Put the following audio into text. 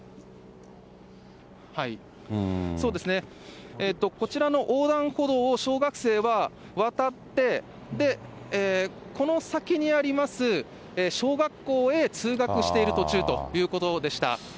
そうですね、こちらの横断歩道を小学生は渡って、この先にあります小学校へ通学している途中ということでした。